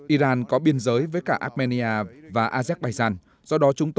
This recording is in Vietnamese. iran có biên giới với cả armenia và azerbaijan